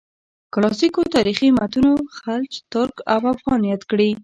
کلاسیکو تاریخي متونو خلج، ترک او افغان یاد کړي.